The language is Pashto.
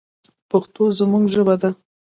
پښتو زموږ ژبه ده